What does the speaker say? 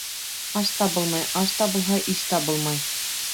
Аш табылмай, аш табылһа, иш табылмай.